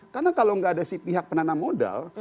karena kalau tidak ada si pihak penanam modal